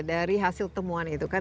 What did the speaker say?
dari hasil temuan itu kan